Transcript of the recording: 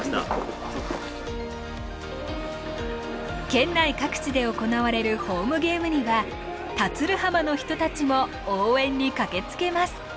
県内各地で行われるホームゲームには田鶴浜の人たちも応援に駆けつけます。